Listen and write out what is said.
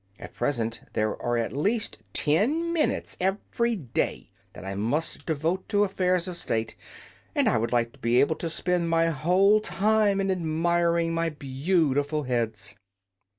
At present there are at least ten minutes every day that I must devote to affairs of state, and I would like to be able to spend my whole time in admiring my beautiful heads."